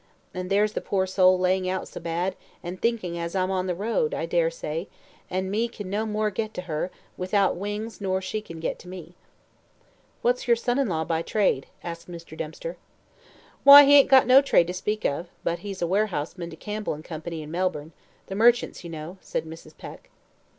And there's the poor soul laying so bad, and thinking as I'm on the road, I dare say, and me can no more get to her without wings nor she can to get me." "What is your son in law by trade?" asked Mr. Dempster. "Why, he ain't got no trade to speak of, but he's warehouseman to Campbell and Co., in Melbourne, the merchants, you know," said Mrs. Peck.